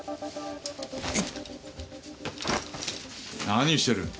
何してる？